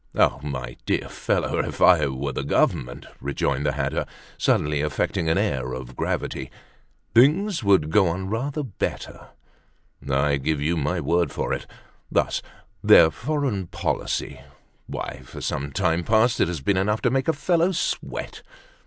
"Oh, my dear fellow, if I were the Government," rejoined the hatter, suddenly affecting an air of gravity, "things would go on rather better, I give you my word for it. Thus, their foreign policy—why, for some time past it has been enough to make a fellow sweat.